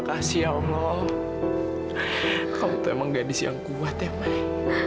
kau memang gadis yang kuat ya maya